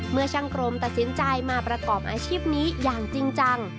เมื่อช่างกรมตัดสินใจมาประกอบอาชีพนี้อย่างจริงจัง